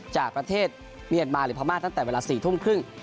จากประเทศเมียนมาหรือพม่าตั้งแต่เวลา๔ทุ่มครึ่ง